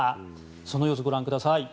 その様子、ご覧ください。